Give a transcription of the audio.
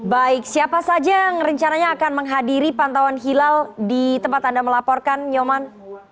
baik siapa saja yang rencananya akan menghadiri pantauan hilal di tempat anda melaporkan nyoman